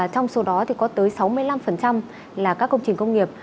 trong số đó thì có tới sáu mươi năm là các công trình công nghiệp